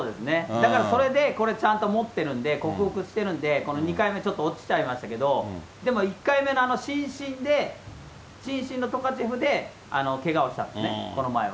だからそれで、ちゃんとこれ持ってるんで、克服してるんで、この２回目、ちょっと落ちちゃいましたけど、でも１回目のあの伸身で、伸身のトカチェフでけがをしたんですね、この前は。